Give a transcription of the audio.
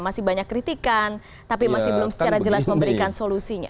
masih banyak kritikan tapi masih belum secara jelas memberikan solusinya